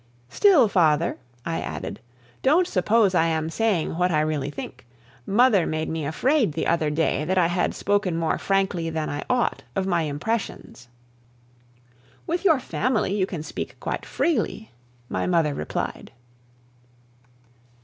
"Still, father," I added, "don't suppose I am saying what I really think: mother made me afraid the other day that I had spoken more frankly than I ought of my impressions." "With your family you can speak quite freely," my mother replied.